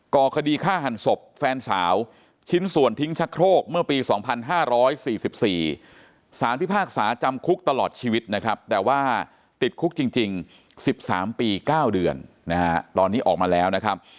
ก่อคดีฆ่าหันศพแฟนสาวชิ้นส่วนทิ้งชะโครกเมื่อปี๒๕๔๔สารพิพากษาจำคุกตลอดชีวิตนะครับแต่ว่าติดคุกจริง๑๓ปี๙เดือนนะฮะตอนนี้ออกมาแล้วนะครับ